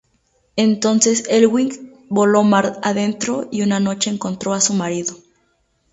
Entonces Elwing voló mar adentro y una noche encontró a su marido.